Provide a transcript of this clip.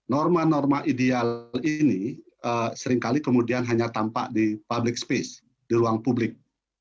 norma norma ideal ini seringkali kemudian hanya tampak di public space di ruang publik